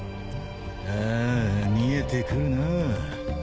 ああ見えてくるなぁ。